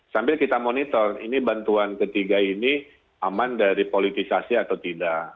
sambil kita monitor ini bantuan ketiga ini aman dari politisasi atau tidak